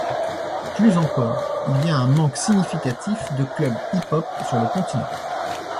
Plus encore, il y a un manque significatif de clubs hip-hop sur le continent.